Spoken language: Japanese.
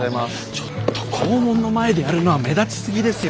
ちょっと校門の前でやるのは目立ちすぎですよ。